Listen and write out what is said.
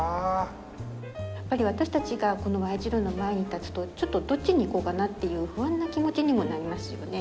やっぱり私たちがこのＹ字路の前に立つとちょっとどっちに行こうかなっていう不安な気持ちにもなりますよね。